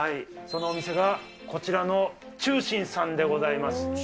そのお店が、こちらのちゅう心さんでございます。